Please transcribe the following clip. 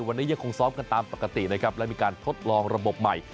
วันนี้ยังคงซ้อมกันตามปกตินะครับและมีการทดลองระบบใหม่